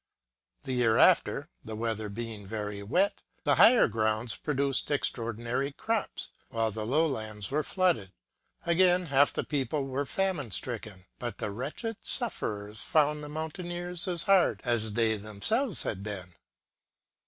The year after, the weather being very wet, the higher grounds produced extraordinary crops, while the lowlands were flooded. Again half the people were famine stricken ; but the wretched sufferers found the mountaineers as hard as they themselves had been.